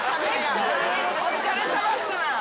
お疲れさまっすな。